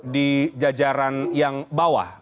di jajaran yang bawah